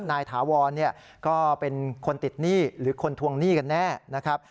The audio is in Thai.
ถาวรก็เป็นคนติดหนี้หรือคนทวงหนี้กันแน่นะครับ